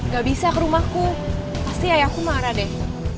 gak bisa ke rumahku pasti ayahku marah deh